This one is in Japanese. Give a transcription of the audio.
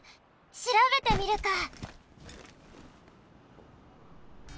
しらべてみるか！